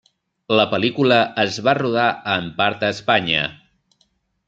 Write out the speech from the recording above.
La pel·lícula es va rodar en part a Espanya.